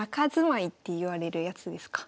っていわれるやつですか。